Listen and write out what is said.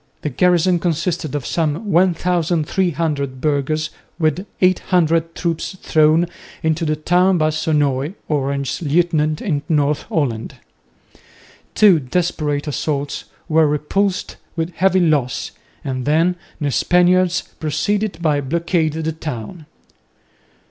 The garrison consisted of some 1300 burghers with 800 troops thrown into the town by Sonoy, Orange's lieutenant in North Holland. Two desperate assaults were repulsed with heavy loss, and then the Spaniards proceeded to blockade the town.